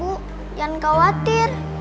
bu jangan khawatir